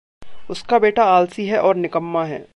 उसका बेटा आलसी और निकम्मा है।